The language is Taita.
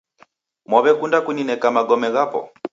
Mwaw'ekunda kunineka magome ghapo?